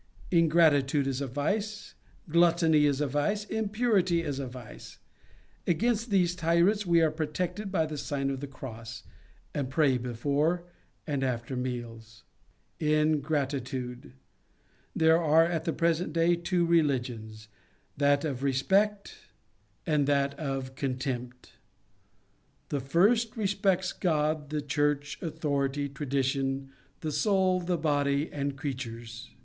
Ingratitude is a vice, gluttony is a vice, impurity is a vice. Against these tyrants we are protected by the Sign of the Cross, and prayer before and after meals. Ingratitude. There are at the present day two religions: that of respect, and that 260 The Sign of the Cross of contempt. The first respects God, the Church, authority, tradition, the soul, the body, and creatures.